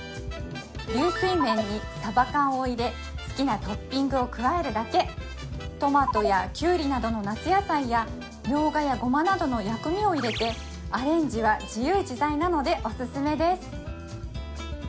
流水麺にさば缶を入れ好きなトッピングを加えるだけトマトやきゅうりなどの夏野菜やみょうがやごまなどの薬味を入れてアレンジは自由自在なのでオススメです